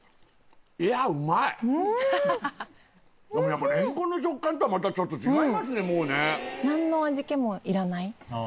やっぱれんこんの食感とはまた違いますねもうね。